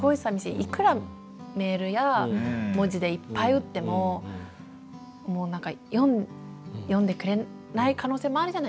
いくらメールや文字でいっぱい打ってももう何か読んでくれない可能性もあるじゃない。